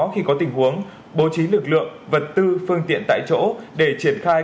khi có tình huống bố trí lực lượng vật tư phương tiện tại chỗ để triển khai